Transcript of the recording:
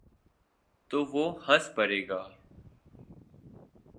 تو وہ ہنس پڑے گا۔